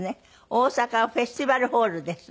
大阪はフェスティバルホールです。